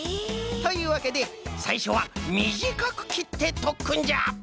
というわけでさいしょはみじかくきってとっくんじゃ！